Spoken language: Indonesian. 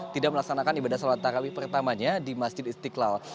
tidak melaksanakan ibadah sholat tarawih pertamanya di masjid istiqlal